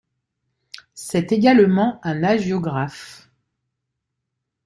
C'est également un hagiographe.